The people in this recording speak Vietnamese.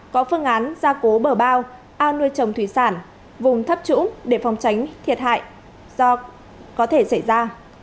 có phương án gia cố bờ bao ao nuôi trồng thủy sản vùng thấp trũng để phòng tránh thiệt hại do có thể xảy ra